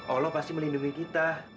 allah pasti melindungi kita